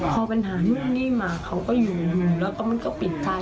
พอปัญหานู่นนี่มาเขาก็อยู่แล้วก็มันก็ปิดใจ